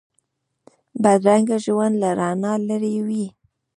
بدرنګه ژوند له رڼا لرې وي